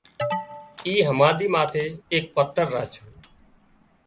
اِي هماۮي ماٿي ايڪ پٿر راڇو